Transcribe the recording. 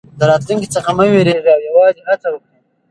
له راتلونکي څخه مه وېرېږئ او یوازې هڅه وکړئ.